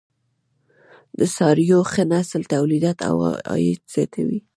د څارويو ښه نسل تولیدات او عاید زیاتوي.